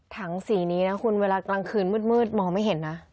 สีนี้นะคุณเวลากลางคืนมืดมองไม่เห็นนะ